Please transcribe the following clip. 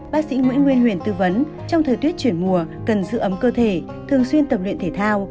bác sĩ nguyễn nguyên huyền tư vấn trong thời tiết chuyển mùa cần giữ ấm cơ thể thường xuyên tập luyện thể thao